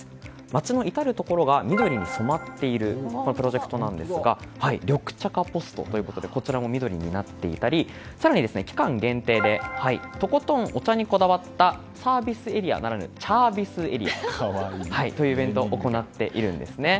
街の至るところが緑に染まっているプロジェクトなんですが緑茶化ポストということでこちらも緑になっていたり更に、期間限定でとことんお茶にこだわったサービスエリアならぬ茶ービスエリアというイベントを行っているんです。